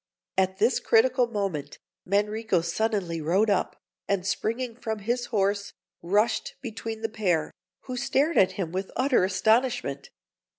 At this critical moment, Manrico suddenly rode up, and, springing from his horse, rushed between the pair, who stared at him with utter astonishment.